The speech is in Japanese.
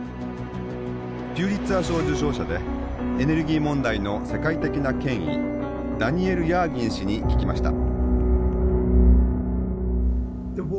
ピューリッツァー賞受賞者でエネルギー問題の世界的な権威ダニエル・ヤーギン氏に聞きました。